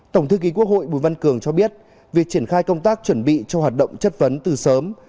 tổng thư ký quốc hội bùi văn cường cho biết việc triển khai công tác chuẩn bị cho hoạt động chất vấn từ sớm